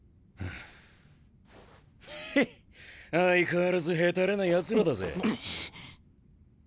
ヘッ相変わらずへたれなやつらだぜ。